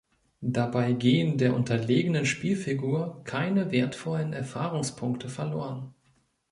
Dabei gehen der unterlegenen Spielfigur keine wertvollen Erfahrungspunkte verloren.